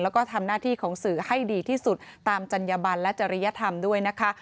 แล้วก็ทำหน้าที่ของสื่อให้ดีที่สุดตามจัญญบันและจริยธรรมด้วยนะคะ